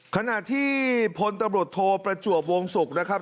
ขณะที่พลตำรวจโทประจวบวงศุกร์นะครับ